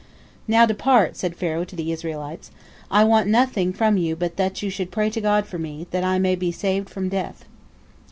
"Now, depart!" said Pharaoh to the Israelites, "I want nothing from you but that you should pray to God for me, that I may be saved from death."